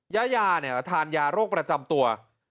ยายาทานยาโรคประจำตัว